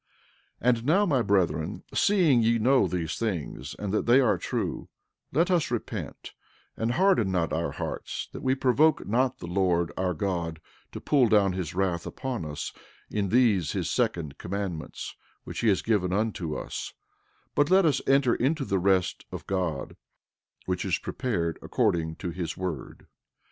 12:37 And now, my brethren, seeing we know these things, and they are true, let us repent, and harden not our hearts, that we provoke not the Lord our God to pull down his wrath upon us in these his second commandments which he has given unto us; but let us enter into the rest of God, which is prepared according to his word.